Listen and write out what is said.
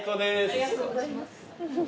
ありがとうございます。